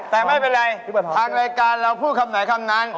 แต่ไม่เป็นไรทางรายการเราพูดคำไหนคำนั้น